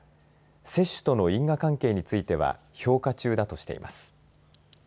接種との因果関係については評価中だとしています。